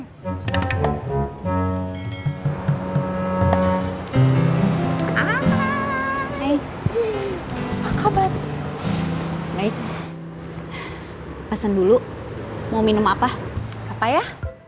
hai hai kau berat baik pasang dulu mau minum apa apa ya